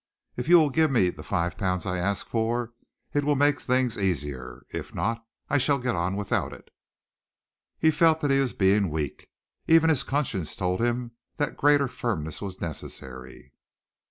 If you will give me the five pounds I ask for, it will make things easier. If not, I shall get on without it." He felt that he was being weak. Even his conscience told him that greater firmness was necessary.